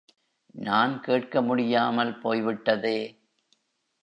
நான் கேட்க முடியாமல் போய்விட்டதே!